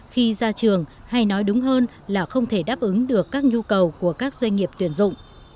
khi ra trường hay nói đúng hơn là không thể đáp ứng được các nhu cầu của các doanh nghiệp tuyển dụng